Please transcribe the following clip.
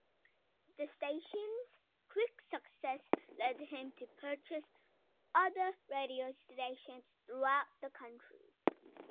The station's quick success led him to purchase other radio stations throughout the country.